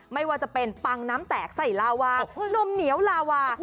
ไม่ว่าจะเป็นปังน้ำแตกใส่ลาวานมเหนียวลาวา